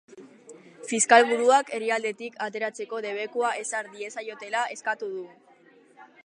Fiskalburuak herrialdetik ateratzeko debekua ezar diezaiotela eskatu du.